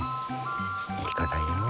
いい子だよ。